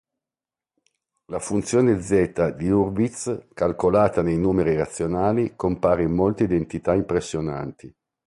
La funzione zeta di Hurwitz calcolata nei numeri razionali compare in molte identità impressionanti.